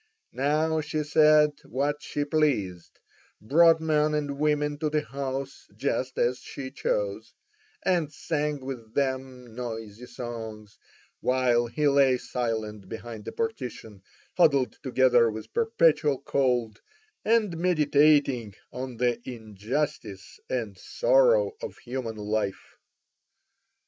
Now she said what she pleased, brought men and women to the house just as she chose, and sang with them noisy songs, while he lay silent behind the partition huddled together with perpetual cold, and meditating on the injustice and sorrow of human life.